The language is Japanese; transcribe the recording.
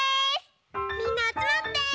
みんなあつまって！